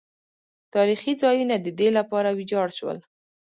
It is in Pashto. تاریخي ځایونه د دې لپاره ویجاړ شول.